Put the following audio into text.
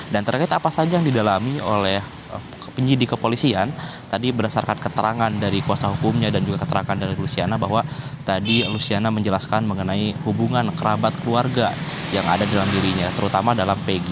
dan terkait apa saja yang didalami oleh penyidik kepolisian tadi berdasarkan keterangan dari kuasa hukumnya dan juga keterangan dari lusiana bahwa tadi lusiana menjelaskan mengenai hubungan kerabat keluarga yang ada dalam dirinya terutama dalam pegi